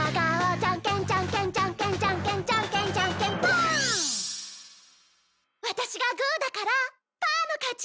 ワタシがグーだからパーの勝ち！